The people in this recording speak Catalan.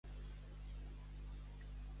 El sol es pon en brut.